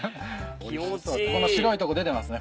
ここの白いとこ出てますね